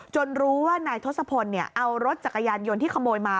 จนรู้ว่าไนทศพลเนี่ยเอารถจักรยานยนต์ที่ขโมยมา